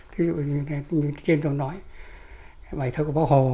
thí dụ như trên tôi nói bài thơ của bảo hồ